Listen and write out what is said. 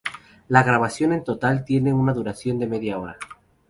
La grabación en total tiene una duración de media hora.